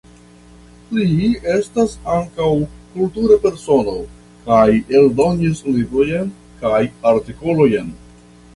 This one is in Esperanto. Li estas ankaŭ kultura persono kaj eldonis librojn kaj artikolojn.